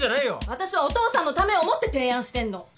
私はお父さんのためを思って提案してんの。